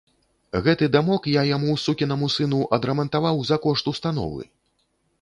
Гэты дамок я яму, сукінаму сыну, адрамантаваў за кошт установы.